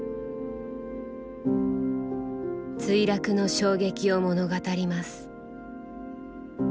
墜落の衝撃を物語ります。